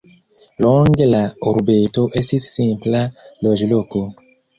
Longe la urbeto estis simpla loĝloko.